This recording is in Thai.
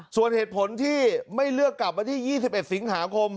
ส่วนเหตุผลที่ไม่เลือกกลับวันที่๒๑สิงหาคม